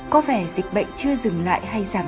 có vẻ dịch bệnh chưa dừng lại hay giảm